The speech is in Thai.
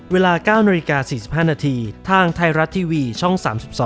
เวลา๙น๔๕นทางไทยรัฐทีวีช่อง๓๒